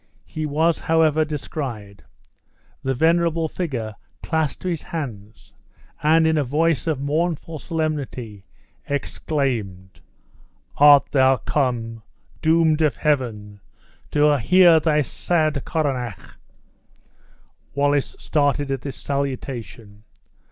He was, however, descried! The venerable figure clasped his hands, and in a voice of mournful solemnity exclaimed: "Art thou come, doomed of Heaven, to hear thy sad coronach?" Wallace started at this salutation.